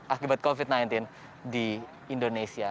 akibat covid sembilan belas di indonesia